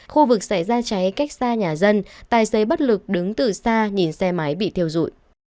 khu vực xảy ra cháy cách xa nhà dân tài xế bất lực đứng từ xa nhìn xe máy bị thiêu dụi